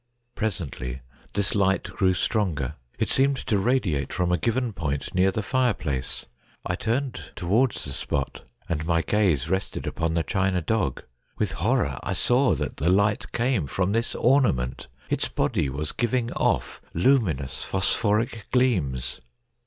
Pre sently this light grew stronger. It seemed to radiate from a given point near the fireplace. I turned towards the spot, and my gaze rested upon the china dog. With horror, I saw that the light came from this ornament. Its body was giving off luminous phosphoric gleams.